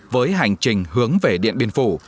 với hành trình hướng về điện biên phủ